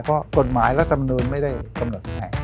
เพราะเกิดหมายและคำนวณไม่ได้กำหนดให้